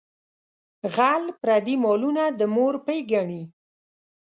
غل پردي مالونه د مور پۍ ګڼي.